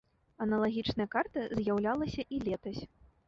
Аналагічная карта з'яўлялася і летась.